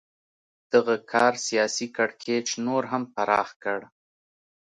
دغه کار سیاسي کړکېچ نور هم پراخ کړ.